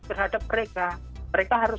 terhadap mereka mereka harus